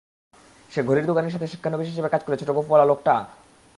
সে ঘড়ির দোকানির সাথে শিক্ষানবিশ হিসেবে কাজ করে ছোট গোঁফওয়ালা লোকটা?